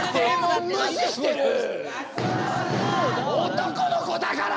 男の子だから！